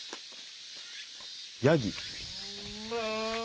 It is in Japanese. ヤギ。